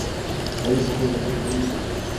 交易不会留下任何证据。